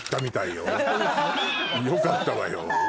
よかったわよ。